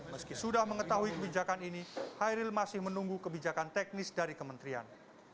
meski sudah mengetahui kebijakan ini hairil masih menunggu kebijakan teknis dari kementerian